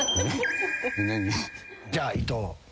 じゃあ伊藤。